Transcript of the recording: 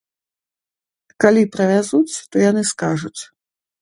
Калі прывязуць, то яны скажуць.